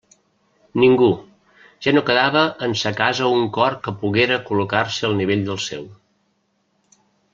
Ningú; ja no quedava en sa casa un cor que poguera col·locar-se al nivell del seu.